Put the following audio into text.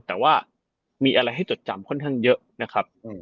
แต่ว่ามีอะไรให้จดจำค่อนข้างเยอะนะครับ